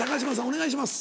お願いします。